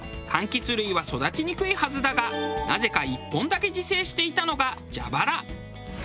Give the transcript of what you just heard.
柑橘類は育ちにくいはずだがなぜか１本だけ自生していたのがじゃばら。